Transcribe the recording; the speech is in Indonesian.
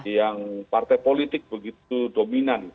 yang partai politik begitu dominan